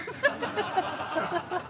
ハハハハ！